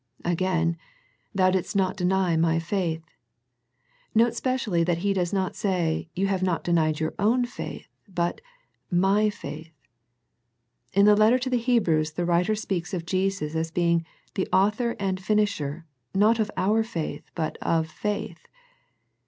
Again, "Thou didst not deny My faith." Note specially that He does not say. You have not denied your own faith, but " My faith." In the letter to the Hebrews the writer speaks of Jesus as being the '* Author and Finisher," not of our faith, but " of faith."